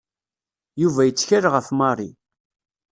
Yuba yettkal ɣef Mary.